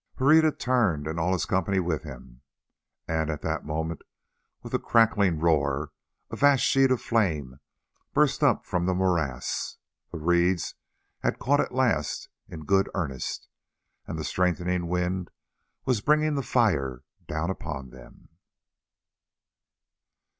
Pereira turned and all his company with him, and at that moment, with a crackling roar, a vast sheet of flame burst up from the morass. The reeds had caught at last in good earnest, and the strengthening wind was bringing the fire down upon them.